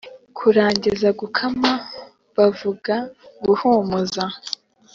Kurangiza Gukama bavuga Guhumuza